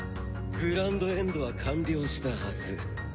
グランドエンドは完了したはず。